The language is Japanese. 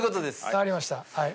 わかりましたはい。